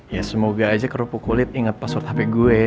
ya semoga aja kerupuk kulit ingat password hp gue